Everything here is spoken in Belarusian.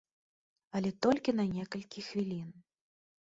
Але толькі на некалькі хвілін.